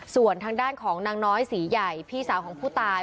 ส่วนทางด้านของนางน้อยศรีใหญ่พี่สาวของผู้ตาย